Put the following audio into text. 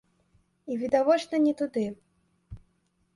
І відавочна не туды.